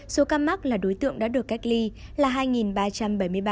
số ca mắc là đối tượng đã được cách ly là hai ba trăm bảy mươi ba ca